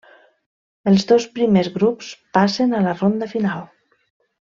Els dos primers grups passen a la ronda final.